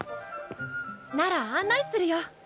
なら案内するよ。